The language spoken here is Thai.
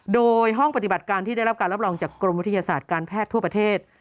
โดยห้องปฏิบัติการที่ได้รับการรับรองจากกรมวิทยาศาสตร์การแพทย์ทั่วประเทศ